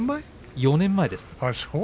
４年前です。